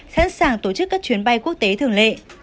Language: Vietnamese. sẵn sàng tổ chức các chuyến bay quốc tế thường lệ